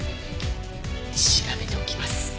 調べておきます。